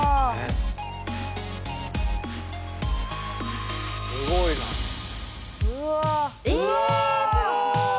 えすごい。